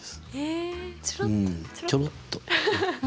うんちょろっと。